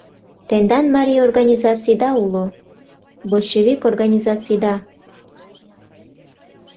Тендан марий организацийда уло, большевик организацийда.